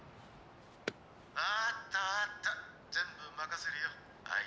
「わぁったわぁった全部任せるよあい」。